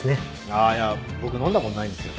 あーいや僕飲んだことないんですよ。